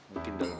mungkin dalam mana